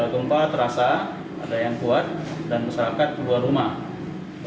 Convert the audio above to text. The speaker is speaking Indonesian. gempa terasa ada yang kuat dan masyarakat keluar rumah